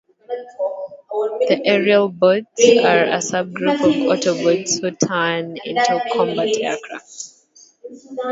The Aerialbots are a subgroup of Autobots who turn into combat aircraft.